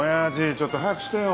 ちょっと早くしてよ。